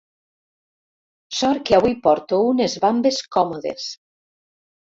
Sort que avui porto unes vambes còmodes.